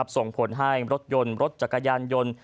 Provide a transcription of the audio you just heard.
ส่งผลให้รถยนต์รถจักรยานยนต์